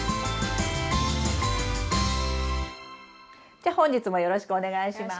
じゃ本日もよろしくお願いします。